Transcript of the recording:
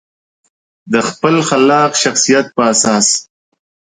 د خپل خلاق شخصیت په اساس.